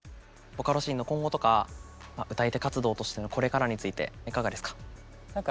ボカロシーンの今後とか歌い手活動としてのこれからについていかがですか？